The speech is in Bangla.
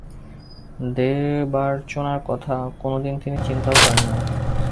দেবার্চনার কথা কোনোদিন তিনি চিন্তাও করেন নাই।